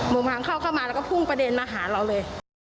โมงเข้าเข้ามาแล้วก็พุ่งประเด็นมาหาเราเลย